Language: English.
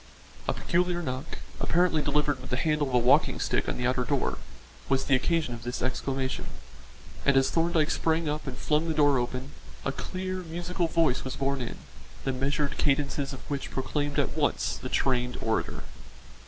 A peculiar knock, apparently delivered with the handle of a walking stick on the outer door, was the occasion of this exclamation, and as Thorndyke sprang up and flung the door open, a clear, musical voice was borne in, the measured cadences of which proclaimed at once the trained orator.